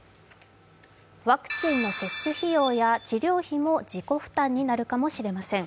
ワクチンの接種費用や治療費も自己負担になるかもしれません。